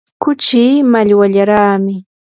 kuchii mallwallaraami.